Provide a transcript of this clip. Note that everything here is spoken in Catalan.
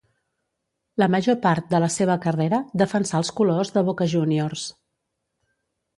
La major part de la seva carrera defensà els colors de Boca Juniors.